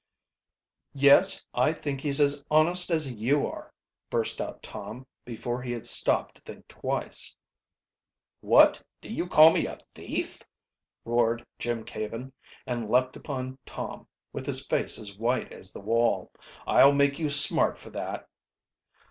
"Yes, I think he's as honest as you are!" burst out Tom, before he had stopped to think twice. "What! do you call me a thief!" roared Jim Caven, and leaped upon Tom, with his face as white as the wall. "I'll make you smart for that!"